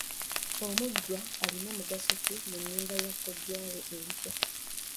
Omujjwa alina mugaso ki ku nnyumba ya kkojjaawe empya?